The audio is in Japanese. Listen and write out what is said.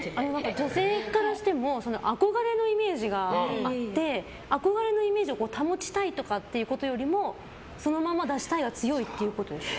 女性からしても憧れのイメージがあって憧れのイメージを保ちたいということよりもそのままを出したいが強いってことですか？